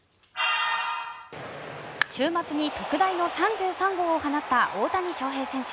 週末に特大の３３号を放った大谷翔平選手。